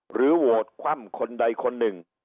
หรือโหวตคว่ำคนใดคนหนึ่ง